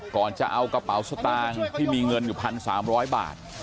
ก่อนจะเอากระเป๋าสตางค์ที่มีเงินอยู่๑๓๐๐บาท